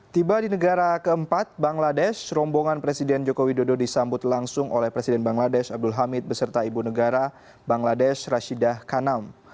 tiba di negara keempat bangladesh rombongan presiden joko widodo disambut langsung oleh presiden bangladesh abdul hamid beserta ibu negara bangladesh rashidah kanam